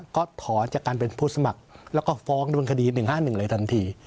ก็ถอนจากการเป็นผู้สมัครแล้วก็ฟ้องโดนคดี๑๕๑เลยทันที